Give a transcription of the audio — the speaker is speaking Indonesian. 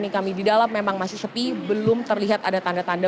nah oleh sebab itu diperlukan